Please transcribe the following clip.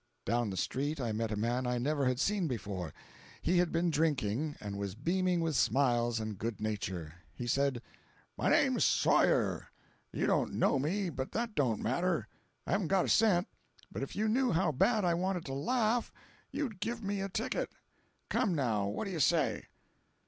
Down the street I met a man I never had seen before. He had been drinking, and was beaming with smiles and good nature. He said: "My name's Sawyer. You don't know me, but that don't matter. I haven't got a cent, but if you knew how bad I wanted to laugh, you'd give me a ticket. Come, now, what do you say?"